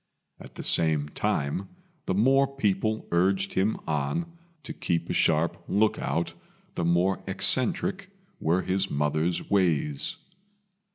At the same time, the more people urged him on to keep a sharp look out, the more eccentric were his mother's ways.